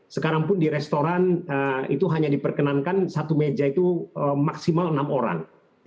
sekarang pun di restoran itu hanya diperkenankan satu meja itu maksimal enam orang